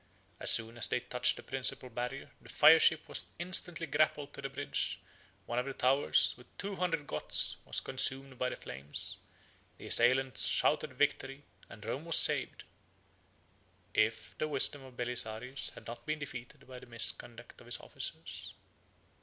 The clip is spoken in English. As soon as they touched the principal barrier, the fire ship was instantly grappled to the bridge; one of the towers, with two hundred Goths, was consumed by the flames; the assailants shouted victory; and Rome was saved, if the wisdom of Belisarius had not been defeated by the misconduct of his officers.